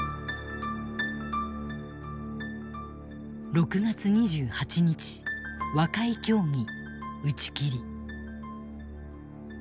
６月２８日和解協議打ち切り。